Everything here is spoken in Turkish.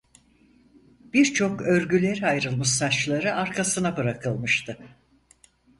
Birçok örgülere ayrılmış saçları arkasına bırakılmıştı.